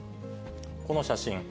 この写真。